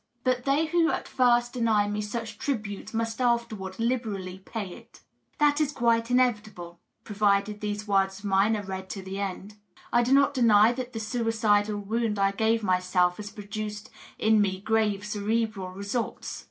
But they who at first deny me such tribute must afterward liberally pay it. That is quite inevitable, provided these words of mine are read to the end. I do not deny that the suicidal wound I gave myself has produced in me grave cerebral results.